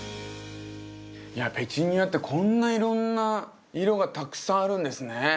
いやペチュニアってこんないろんな色がたくさんあるんですね。